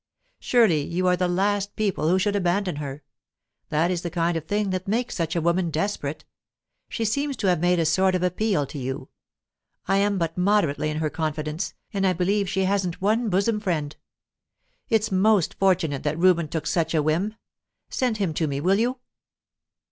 Surely you are the last people who should abandon her. That is the kind of thing that makes such a woman desperate. She seems to have made a sort of appeal to you. I am but moderately in her confidence, and I believe she hasn't one bosom friend. It's most fortunate that Reuben took such a whim. Send him to me, will you?"